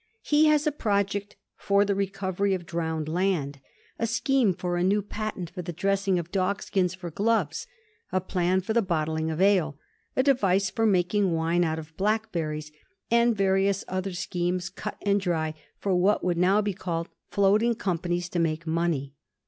He has a project 'for the recovery of drowned land,' a scheme for a new patent for the dressing of dogskins for gloves, a plan for the bottling of ale, a device for making wine out of blackberries, and various other schemes cut and dry for what would now be called floating companies to make money.